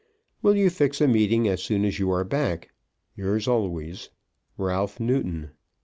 Will you fix a meeting as soon as you are back? Yours always, RALPH NEWTON.